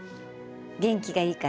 元気がいいから。